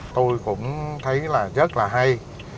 tôi cũng thấy là rất là hay